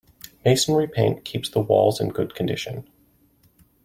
Masonry paint keeps the walls in good condition.